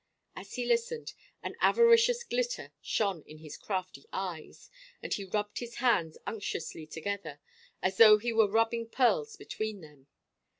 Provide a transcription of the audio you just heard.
As he listened, an avaricious glitter shone in his crafty eyes, and he rubbed his hands unctuously together, as though he were rubbing pearls between them.